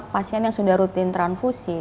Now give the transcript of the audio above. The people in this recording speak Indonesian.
pasien yang sudah rutin transfusi